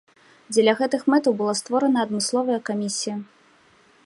Дзеля гэтых мэтаў была створана адмысловая камісія.